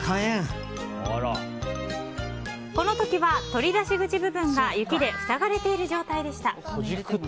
この時は取り出し口部分が雪で塞がれている状態でした。